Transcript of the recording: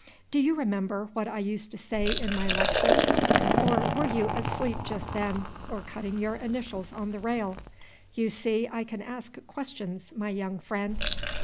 Do you remember what I used to say in my lectures? or were you asleep just then, or cutting your initials on the rail? (You see I can ask questions, my young friend.)